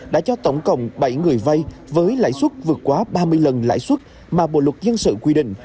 đã cho tổng cộng bảy người vay với lãi suất vượt quá ba mươi lần lãi suất mà bộ luật dân sự quy định